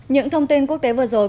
những thông tin quốc tế vừa rồi